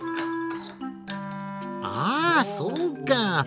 ああそうか！